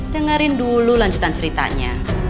biarin dulu lanjutan ceritanya